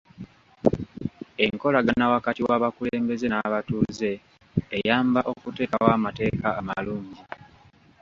Enkolagana wakati w'abakulembeze n'abatuuze eyamba okuteekawo amateeka amalungi.